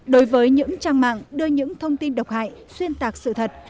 đối với những trang mạng đưa những thông tin độc hại xuyên tạc sự thật